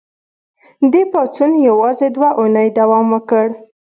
دې پاڅون یوازې دوه اونۍ دوام وکړ.